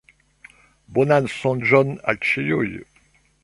Bonan sonĝon al ĉiuj!